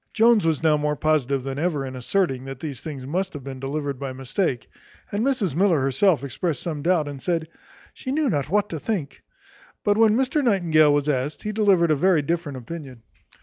Jones was now more positive than ever in asserting, that these things must have been delivered by mistake; and Mrs Miller herself expressed some doubt, and said, "She knew not what to think." But when Mr Nightingale was asked, he delivered a very different opinion.